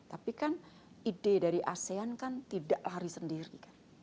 tapi kan ide dari asean kan tidak lari sendiri kan